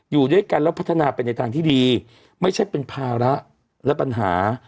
อยู่ด้วยกันแล้วพัฒนาไปในทางที่ดีไม่ใช่เป็นภาระและปัญหา